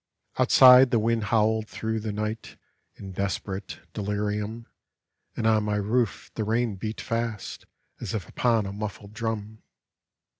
Outside, the wind howled dirough the night In desperate delirium; And on my roof the rain beat fast, As if upon a muffled drum.